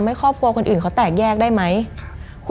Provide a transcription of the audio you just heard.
มันกลายเป็นรูปของคนที่กำลังขโมยคิ้วแล้วก็ร้องไห้อยู่